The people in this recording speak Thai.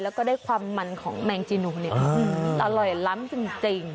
แล้วก็ได้ความมันของแมงจีนูเนี่ยอร่อยล้ำจริง